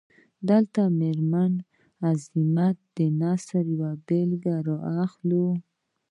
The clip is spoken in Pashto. دلته د میرمن عظمت د نثر یوه بیلګه را اخلو.